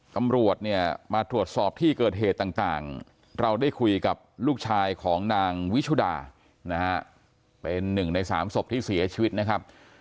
ตำรวจเนี่ยมาตรวจสอบที่เกิดเหตุต่างเราได้คุยกับลูกชายของนางวิชุดานะฮะเป็นหนึ่งในสามศพที่เสียชีวิตนะครับ